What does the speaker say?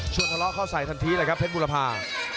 ทะเลาะเข้าใส่ทันทีเลยครับเพชรบุรพา